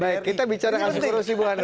baik kita bicara asik urus ibu anda